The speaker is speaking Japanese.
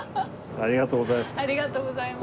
ありがとうございます。